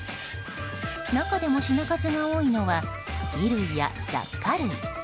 中でも品数が多いのは衣類や雑貨類。